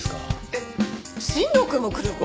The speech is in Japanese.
えっ新藤くんも来るの！？